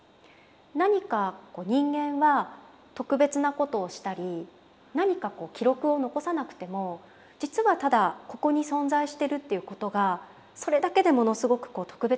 何か人間は特別なことをしたり何か記録を残さなくても実はただここに存在してるっていうことがそれだけでものすごく特別なんだと。